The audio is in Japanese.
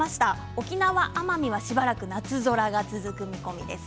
沖縄奄美はしばらく夏空が続く見込みです。